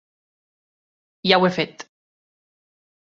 Ja ho he fet.